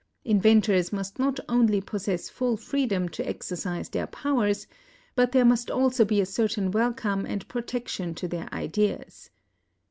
Inventors must not only possess full freedom to exercise their powers, but there must also be a certain welcome and protection to their ideas.